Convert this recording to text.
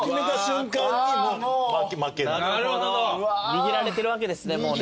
握られてるわけですねもうね。